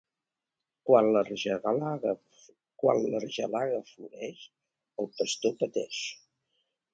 Quan l'argelaga floreix, el pastor pateix.